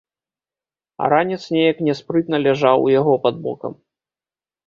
А ранец неяк няспрытна ляжаў у яго пад бокам.